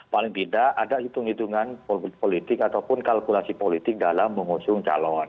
paling tidak ada hitung hitungan politik ataupun kalkulasi politik dalam mengusung calon